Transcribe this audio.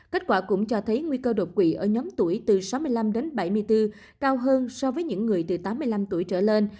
kết quả cũng cho thấy nguy cơ đột quỵ ở nhóm tuổi từ sáu mươi năm đến bảy mươi bốn cao hơn so với những người từ tám mươi năm tuổi trở lên